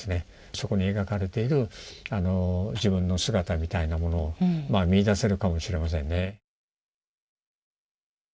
そこに描かれている自分の姿みたいなものを見いだせるかもしれませんね。